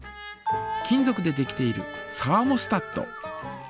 金ぞくでできているサーモスタット。